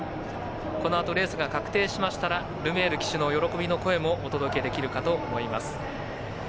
このあとレースが確定しましたらルメール騎手の喜びの声もお届けできるかと思います。